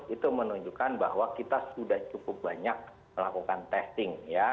itu menunjukkan bahwa kita sudah cukup banyak melakukan testing ya